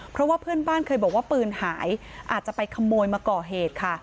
เพราะว่าเพื่อนบ้านเคยบอกว่าปืนหายอาจจะไปขโมยมาก่อเหตุค่ะ